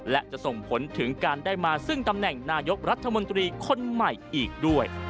และจะส่งผลถึงการได้มาซึ่งตำแหน่งนายกรัฐมนตรีคนใหม่อีกด้วย